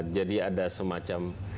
jadi ada semacam